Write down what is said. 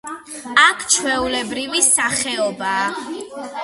აქ ჩვეულებრივი სახეობაა.